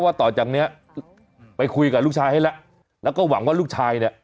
ต่อจากเนี้ยไปคุยกับลูกชายให้แล้วแล้วก็หวังว่าลูกชายเนี่ย